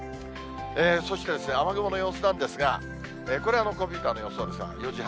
そして雨雲の様子なんですが、これ、コンピューターの予想ですが、４時半。